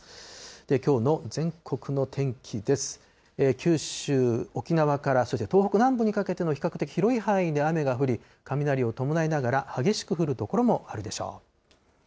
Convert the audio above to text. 九州、沖縄から、そして東北南部にかけての比較的広い範囲で雨が降り、雷を伴いながら激しく降る所もあるでしょう。